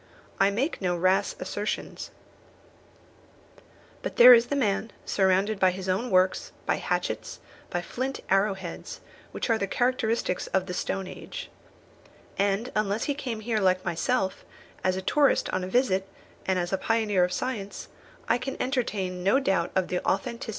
I make no rash assertions; but there is the man surrounded by his own works, by hatchets, by flint arrow heads, which are the characteristics of the stone age. And unless he came here, like myself, as a tourist on a visit and as a pioneer of science, I can entertain no doubt of the authenticity of his remote origin."